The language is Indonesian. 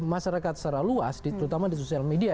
masyarakat secara luas terutama di sosial media